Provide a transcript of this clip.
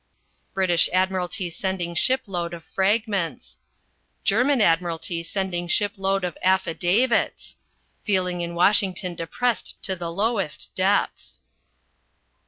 British Admiralty sending shipload of fragments. German Admiralty sending shipload of affidavits. Feeling in Washington depressed to the lowest depths.